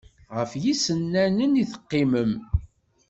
Ɣef yisennanen i teqqimem?